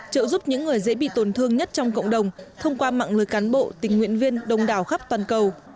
trợ giúp những người dễ bị tổn thương nhất trong cộng đồng thông qua mạng lưới cán bộ tình nguyện viên đông đảo khắp toàn cầu